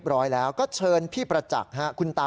พระขู่คนที่เข้าไปคุยกับพระรูปนี้